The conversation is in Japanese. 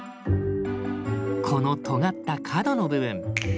このとがった角の部分。